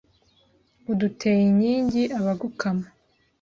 Uduteye inkingi abagukama